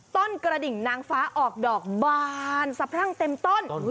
กระดิ่งนางฟ้าออกดอกบานสะพรั่งเต็มต้น